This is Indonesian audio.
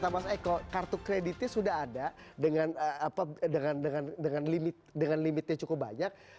mas eko kartu kreditnya sudah ada dengan limitnya cukup banyak